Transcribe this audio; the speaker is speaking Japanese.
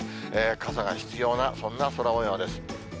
傘が必要な、そんな空もようです。